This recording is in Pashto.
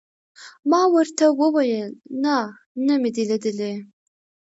ما ورته وویل: نه، نه مې دي لیدلي.